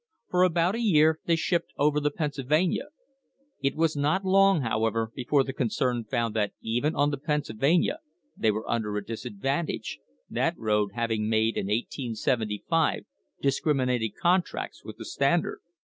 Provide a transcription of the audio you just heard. For about a year they shipped over the Pennsylvania. It was not long, however, before the concern found that even on the Pennsylvania they were under a disadvantage, that road having made in 1875 dis criminating contracts with the Standard.